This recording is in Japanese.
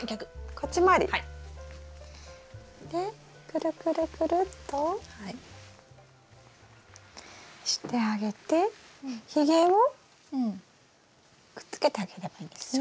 でくるくるくるっとしてあげてひげをくっつけてあげればいいんですね？